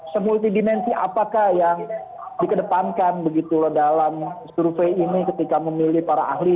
semultidimensi apakah yang dikedepankan begitu loh dalam survei ini ketika memilih para ahli